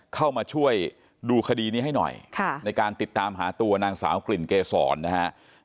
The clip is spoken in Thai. เข้ามาช่วยดูคดีนี้ให้หน่อยในการติดตามหาตัวนางสาวกลิ่นเกษรนะครับ